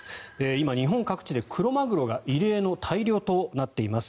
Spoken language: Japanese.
今、日本各地でクロマグロが異例の大漁となっています。